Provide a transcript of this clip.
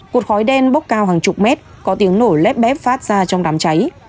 cột khói đen bốc cao hàng chục mét có tiếng nổ lép bép phát ra trong đám cháy